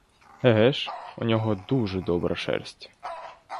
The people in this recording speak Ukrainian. Еге ж, у нього дуже добра шерсть.